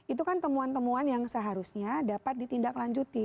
itu kan temuan temuan yang seharusnya dapat ditindaklanjuti